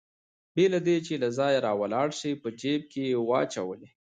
بې له دې چې له ځایه راولاړ شي په جېب کې يې واچولې.